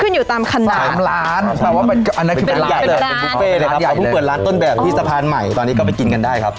ขึ้นอยู่ตามขนาด๓ล้านบาทเป็นบุฟเฟต์เลยครับเราเพิ่งเปิดร้านต้นแบบที่สะพานใหม่ตอนนี้ก็ไปกินกันได้ครับ